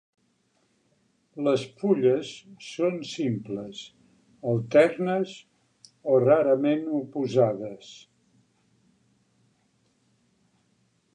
Les fulles són simples, alternes o rarament oposades.